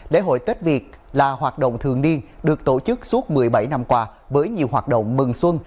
lễ hội tết việt là hoạt động thường niên được tổ chức suốt một mươi bảy năm qua với nhiều hoạt động mừng xuân